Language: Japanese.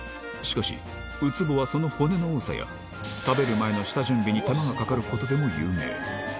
しかし、ウツボはその骨の多さや、食べる前の下準備に手間がかかることでも有名。